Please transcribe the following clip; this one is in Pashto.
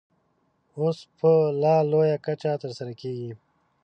اوس په لا لویه کچه ترسره کېږي.